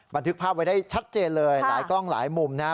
บันทึกภาพไว้ได้ชัดเจนเลยหลายกล้องหลายมุมนะฮะ